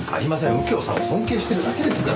右京さんを尊敬しているだけですから。